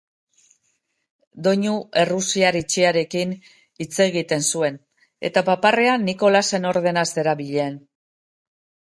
Doinu errusiar itxiarekin hitz egiten zuen eta paparrean Nikolasen ordena zerabilen.